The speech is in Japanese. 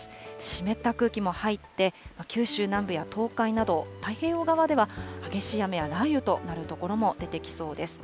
湿った空気も入って、九州南部や東海など、太平洋側では激しい雨や雷雨となる所も出てきそうです。